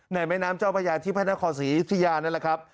ในไม้น้ำเจ้าบรรยาที่พระนครศรีสิญาณนั่นแหละครับ